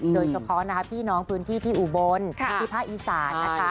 โดยเฉพาะนะคะพี่น้องพื้นที่ที่อุบลที่ภาคอีสานนะคะ